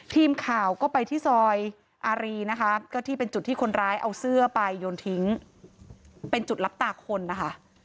ทีมข่าวก็ไปที่ซอยอารีนะคะก็ที่เป็นจุดที่คนร้ายเอาเสื้อไปโยนทิ้งเป็นจุดรับตาคนนะคะ